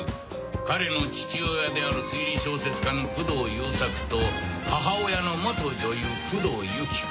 彼の父親である推理小説家の工藤優作と母親の女優工藤有希子